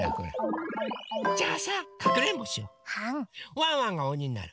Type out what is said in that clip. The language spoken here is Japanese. ワンワンがおにになる。